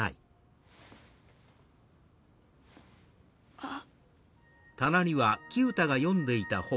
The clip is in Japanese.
あっ。